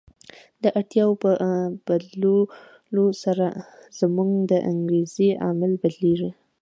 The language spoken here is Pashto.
د اړتیاوو په بدلېدو سره زموږ د انګېزې عامل بدلیږي.